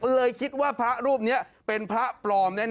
เลยคิดว่าพระรูปนี้เป็นพระปลอมแน่